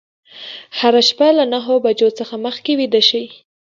هره شپه له نهه بجو څخه مخکې ویده شئ.